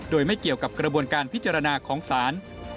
โดยไม่เกี่ยวกับกระบวนการพิจารณาของศาล